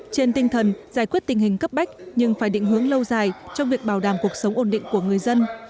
trên tinh thần giải quyết tình hình cấp bách nhưng phải định hướng lâu dài trong việc bảo đảm cuộc sống ổn định của người dân